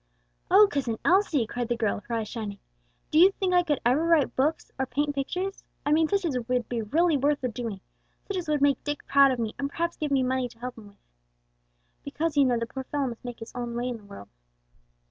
"O Cousin Elsie," cried the girl, her eyes shining, "do you think I could ever write books, or paint pictures? I mean such as would be really worth the doing; such as would make Dick proud of me and perhaps give me money to help him with; because you know the poor fellow must make his own way in the world."